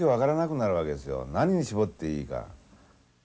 何に絞っていいか。